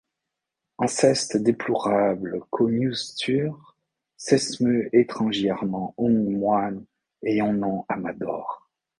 En ceste deplourable conioncture, s’esmeut estrangierement ung moyne ayant nom Amador.